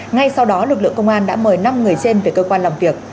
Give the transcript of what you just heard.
ngay sau đó lực lượng công an đã mời năm người trên về cơ quan làm việc